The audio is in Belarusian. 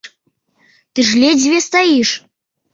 Ты ж ледзьве стаіш.